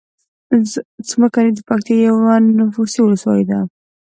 څمکنی دپکتیا یوه نفوسې ولسوالۍ ده.